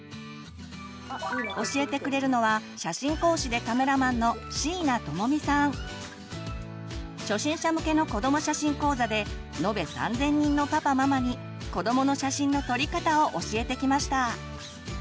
教えてくれるのは初心者向けの子ども写真講座で延べ３，０００人のパパママに子どもの写真の撮り方を教えてきました。